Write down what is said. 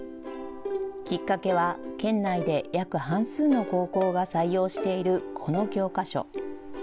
きっかけは、県内で約半数の高校が採用しているこの教科書。